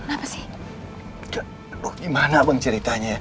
apa sih gimana bang ceritanya